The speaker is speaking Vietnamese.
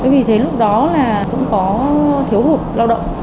vì thế lúc đó là cũng có thiếu hụt lao động